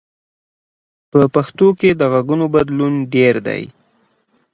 په پښتو کې د غږونو بدلون ډېر دی.